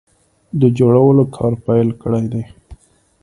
د جوړولو کار پیل کړی دی